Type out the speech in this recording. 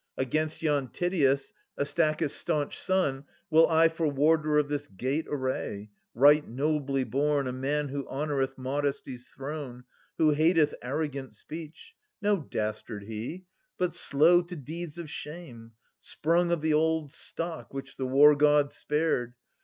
Against yon Tydeus Astakus* staunch son Will I for warder of this gate array, Right nobly born, a man who honoureth Modesty's throne, who hateth arrogant speech ; 410 No dastard he, but slow to deeds of shame. Sprung of the old stock, which the War god spared.